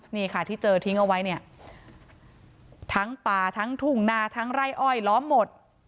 นี่ค่ะที่เจอทิ้งเอาไว้เนี่ยทั้งป่าทั้งทุ่งนาทั้งไร่อ้อยล้อมหมด